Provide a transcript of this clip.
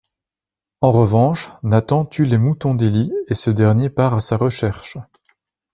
En revanche, Nathan tue les moutons d’Eli et ce dernier part à sa recherche.